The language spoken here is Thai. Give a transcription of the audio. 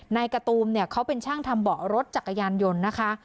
การ์ตูมเนี่ยเขาเป็นช่างทำเบาะรถจักรยานยนต์นะคะ